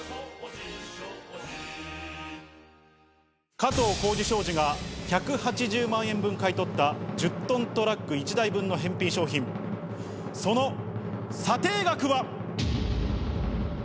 加藤浩次商事が１８０万円分買い取った１０トントラック１台分の返品商品、その査定額は。